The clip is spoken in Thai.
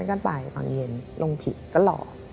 ก็ไปตอนเย็นลงผิดก็รอ